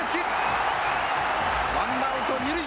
ワンナウト二塁。